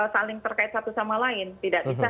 saling terkait satu sama lain tidak bisa